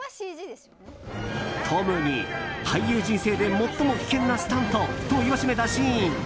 トムに俳優人生で最も危険なスタントと言わしめたシーン。